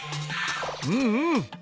うんうん。